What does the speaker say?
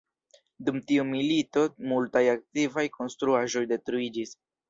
Dum tiu milito multaj antikvaj konstruaĵoj detruiĝis.